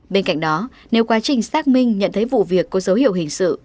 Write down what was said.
bên cạnh đó nếu quá trình xác minh nhận thấy vụ việc có dấu hiệu hình sự